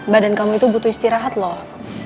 badan kamu itu butuh istirahat loh